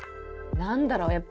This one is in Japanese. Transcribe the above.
何だろう